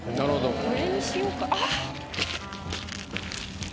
これにしようか。